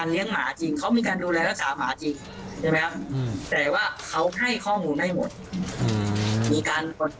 ถ้าตามตรวจสอบเขามีการเลี้ยงหมาจริง